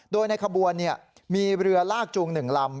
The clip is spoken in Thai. โดยในขบวนมีเรือลากจูง๑ลำ